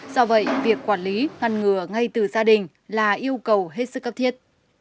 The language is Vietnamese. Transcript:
do vậy việc quản lý ngăn ngừa ngay từ gia đình là yêu cầu hết sức cấp thiết